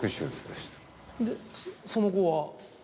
でその後は？